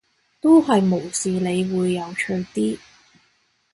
都係無視你會有趣啲